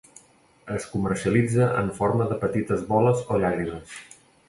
Es comercialitza en forma de petites boles o llàgrimes.